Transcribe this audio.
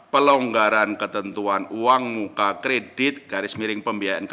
pelonggaran ketentuan uang muka kredit garis miring pembiayaan